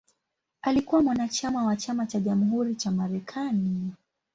Alikuwa mwanachama wa Chama cha Jamhuri cha Marekani.